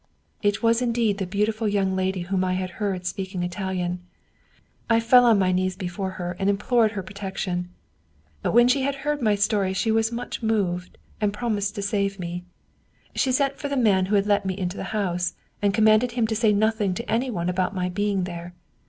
It was indeed the beautiful young lady whom I had heard speaking Italian. I fell on my knees before her and implored her protection. When she had heard my story she was much moved, and promised to save me. She sent for the man who had let me into the house, and commanded him to say nothing to anyone about my being there.